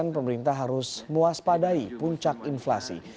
pemerintah harus mewaspadai puncak inflasi